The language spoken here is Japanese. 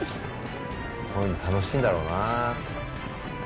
こういうの楽しいんだろうな。